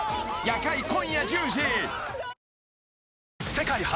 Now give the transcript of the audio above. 世界初！